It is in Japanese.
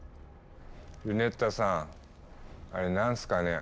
ルネッタさんあれ何すかね？